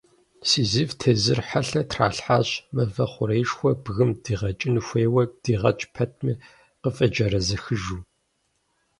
Сизиф тезыр хьэлъэ тралъхьащ, мывэ хъуреишхуэр бгым дикъэкӏын хуейуэ, дигъэкӏ пэтми, къыфӏеджэрэзэхыжу.